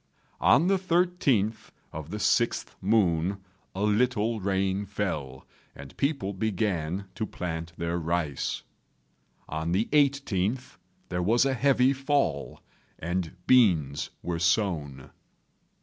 On the 13th of the 6th moon a little rain fell, and people began to plant their rice. On the 18th there was a heavy fall, and beans were sown.